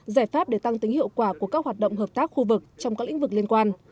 giải pháp để tăng tính hiệu quả của các hoạt động hợp tác khu vực trong các lĩnh vực liên quan